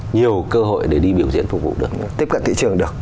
nhiều cơ hội để đi biểu diễn phục vụ được